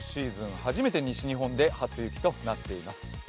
初めて西日本で初雪となっています。